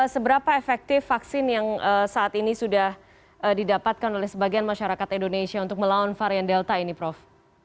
seberapa efektif vaksin yang saat ini sudah didapatkan oleh sebagian masyarakat indonesia untuk melawan varian delta ini prof